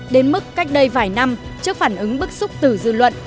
đến mức cách đây vài năm trước phản ứng bức xúc từ dư luận